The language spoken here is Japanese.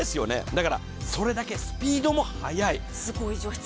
だから、それだけスピードも速い。